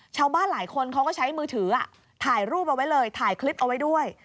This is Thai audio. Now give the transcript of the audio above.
ชาวบ้านหลายคนเขาก็ใช้มือถือถ่ายรูปเอาไว้เลยถ่ายคลิปเอาไว้ด้วย